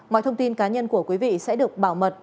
mọi thông tin cá nhân của quý vị sẽ được bảo mật